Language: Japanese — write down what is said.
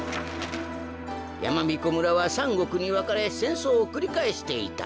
やまびこ村は３ごくにわかれせんそうをくりかえしていた。